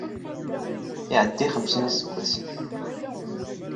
Iɛedda i xemsin n yiseggasen.